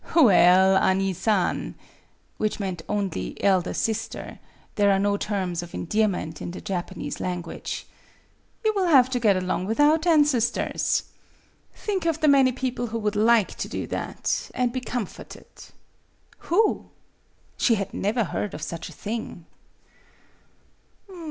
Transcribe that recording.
" Well, Ane San " (which meant only "elder sister": there are no terms of en dearment in the Japanese language), "you 6 MADAME BUTTERFLY will have to get along without ancestors. Think of the many people who would like to do that, and be comforted." " Who ?" She had never heard of such a thing.